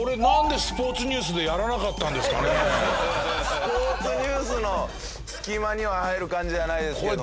スポーツニュースの隙間には入る感じじゃないですけどね。